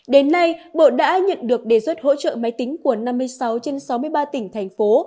đến nay bộ đã nhận được đề xuất hỗ trợ máy tính của năm mươi sáu trên sáu mươi ba tỉnh thành phố